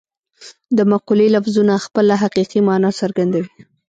د مقولې لفظونه خپله حقیقي مانا څرګندوي